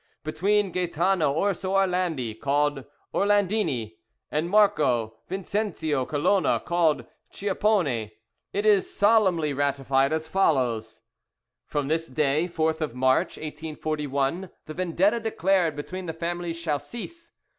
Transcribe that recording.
"Between Gaetano Orso Orlandi, called Orlandini. "And Marco Vincenzio Colona, called Schioppone. "It is solemnly ratified as follows: "From this day, 4th of March, 1841, the Vendetta declared between the families shall cease.